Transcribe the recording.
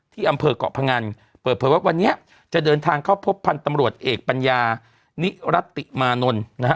ที่อำเภอกเกาะพงันเปิดเผยว่าวันนี้จะเดินทางเข้าพบพันธุ์ตำรวจเอกปัญญานิรัติมานนท์นะฮะ